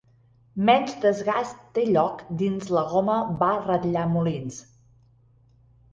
Menys desgast té lloc dins la goma va ratllar molins.